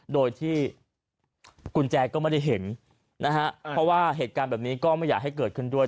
โดยที่กุญแจก็ไม่ได้เห็นนะฮะเพราะว่าเหตุการณ์แบบนี้ก็ไม่อยากให้เกิดขึ้นด้วย